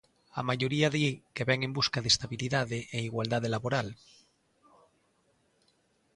A maioría di que vén en busca de estabilidade e igualdade laboral.